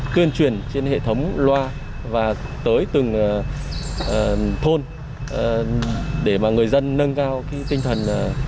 tuyên truyền trên hệ thống loa và tới từng thôn để mà người dân nâng cao tinh thần